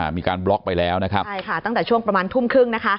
มีการบล็อกไปแล้วตั้งแต่ช่วงประมาณทุ่มครึ่งนะคะ